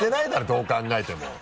どう考えても。